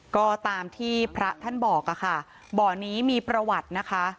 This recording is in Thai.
ก็ตามที่พระท่านบอกค่ะบ่อนี้มีประวัตินะคะ